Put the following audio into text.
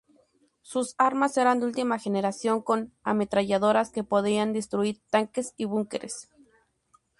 Sus armas eran de última generación, con ametralladoras que podían destruir tanques y búnkeres.